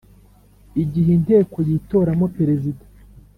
igihe Inteko yitoramo Perezida.